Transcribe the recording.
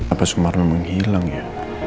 apa sumarno menghilang ya